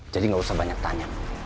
jadi gak usah banyak tanya